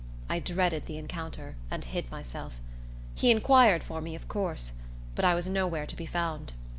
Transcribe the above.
I dreaded the encounter, and hid myself. He inquired for me, of course; but I was nowhere to be found.